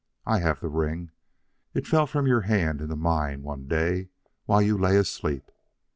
I have the ring; it fell from your hand into mine one day while you lay asleep.